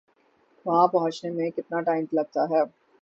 وہاں پہنچنے میں کتنا ٹائم لگتا ہے؟